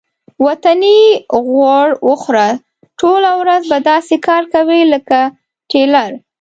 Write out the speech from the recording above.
وطني غوړ وخوره ټوله ورځ به داسې کار کوې لکه ټېلر.